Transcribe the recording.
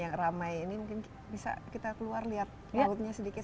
yang ramai ini mungkin bisa kita keluar lihat lautnya sedikit